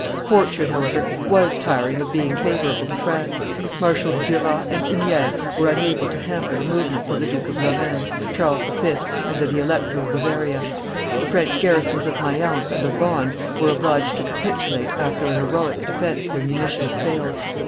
Fortune, however, was tiring of being favorable to France; Marshals Duras and Humieres were unable to hamper the movements of the Duke of Lorraine, Charles V., and of the Elector of Bavaria; the French garrisons of Mayence and of Bonn were obliged to capitulate after an heroic defence their munitions failed.